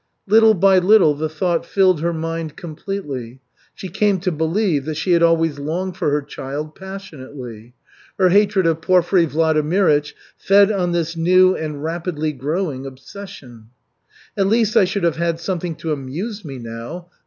Little by little the thought filled her mind completely. She came to believe that she had always longed for her child passionately. Her hatred of Porfiry Vladimirych fed on this new and rapidly growing obsession. "At least, I should have had something to amuse me now.